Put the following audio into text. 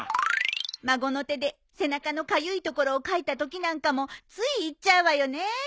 孫の手で背中のかゆいところをかいたときなんかもつい言っちゃうわよね。